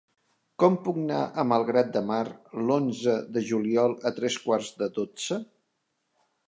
Com puc anar a Malgrat de Mar l'onze de juliol a tres quarts de dotze?